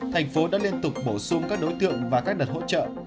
tp hcm đã liên tục bổ sung các đối tượng và các đợt hỗ trợ